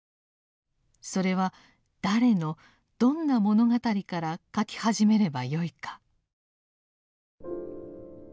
それは誰のどんな物語から書き始めればよいか。